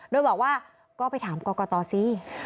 โดยบอกว่าก็ไปถามกรกตสิ